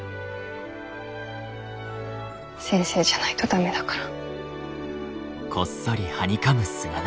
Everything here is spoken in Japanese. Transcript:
先生じゃないと駄目だから。